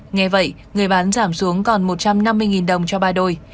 nghe vậy người bán giảm xuống còn một trăm năm mươi đồng cho ba đôi